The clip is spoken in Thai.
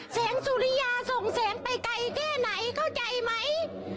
สุริยาส่งแสงไปไกลแค่ไหนเข้าใจไหม